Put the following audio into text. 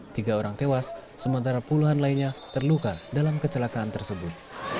tiga orang tewas sementara puluhan lainnya terluka dalam kecelakaan tersebut